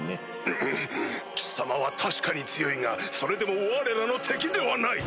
うっ貴様は確かに強いがそれでもわれらの敵ではない！